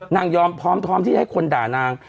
ยอมพร้อมที่จะให้คนด่านาง